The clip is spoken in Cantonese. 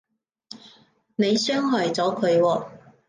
你傷害咗佢喎